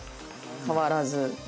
変わらず。